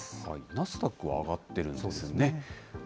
ナスダックは上がってるんですね。